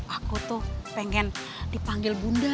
aku tuh pengen dipanggil bunda